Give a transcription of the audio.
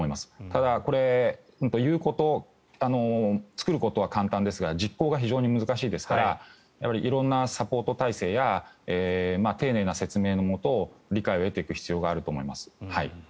ただ、これ、言うこと作ることは簡単ですが実行が非常に難しいですから色んなサポート体制や丁寧な説明のもと理解を得ていく必要があると思います。